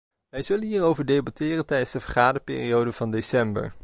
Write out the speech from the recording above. We zullen hierover debatteren tijdens de vergaderperiode van december.